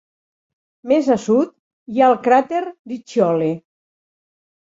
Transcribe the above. Més a sud hi ha el cràter Riccioli.